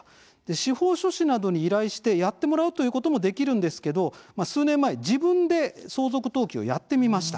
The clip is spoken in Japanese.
司法書士などに依頼してやってもらうということもできるんですけど、数年前自分で相続登記をやってみました。